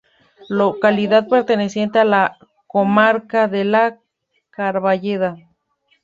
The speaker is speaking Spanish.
Localidad perteneciente a la comarca de La Carballeda.